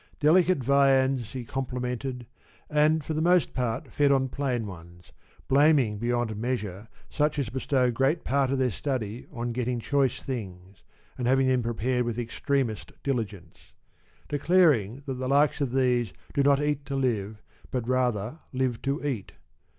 Delicate viands he complimented, and for the most part fed on plain ones, blaming beyond measure such as bestow great part of their study on getting choice things 54 and having them prepared with extremest diligence; declaring that the likes of these do not eat to live, but ^ rather live to eat.